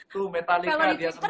tuh metallica dia senang